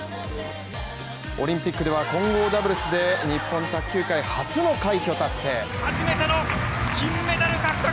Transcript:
オリンピックでは混合ダブルスで日本卓球界初の快挙達成